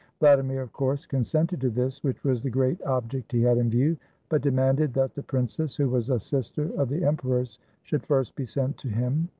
Vladimir of course consented to this, which was the great object he had in view ; but demanded that the princess, who was a sister of the emperors, should first be sent to him.